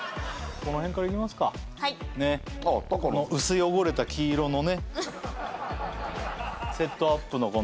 この薄汚れた黄色のねセットアップのこの。